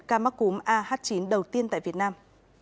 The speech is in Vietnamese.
ca mắc cúm ah chín đầu tiên tại việt nam